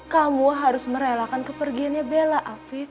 kamu harus merelakan kepergiannya bella afif